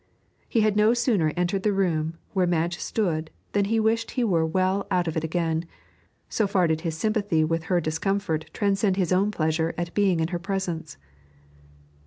He had no sooner entered the room where Madge stood than he wished he were well out of it again, so far did his sympathy with her discomfort transcend his own pleasure at being in her presence.